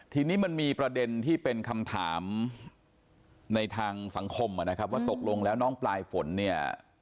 ทีนี้มันมีประเด็นที่เป็นคำถามในทางสังคมนะครับว่าตกลงแล้วน้องปลายฝนเนี่ย